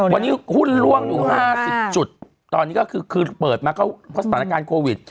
วันนี้หุ้นล่วงอยู่๕๐จุดตอนนี้ก็คือเปิดมาก็เพราะสถานการณ์โควิด